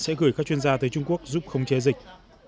sẽ gửi các chuyên gia tới trung quốc giúp khống chế dịch